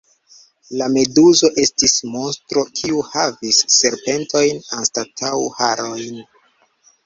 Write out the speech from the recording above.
La Meduzo estis monstro, kiu havis serpentojn anstataŭ harojn.